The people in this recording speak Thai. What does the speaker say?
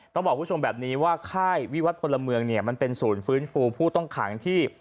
ต้องบอกคุณผู้ชมแบบนี้ว่าค่ายวิวัตรพลเมืองเนี่ยมันเป็นศูนย์ฟื้นฟูผู้ต้องขังที่